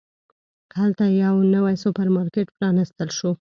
هلته یو نوی سوپرمارکېټ پرانستل شو.